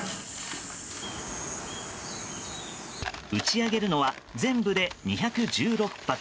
打ち上げるのは全部で２１６発。